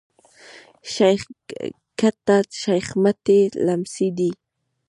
شېخ کټه شېخ متي لمسی دﺉ.